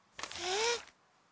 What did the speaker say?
えっ。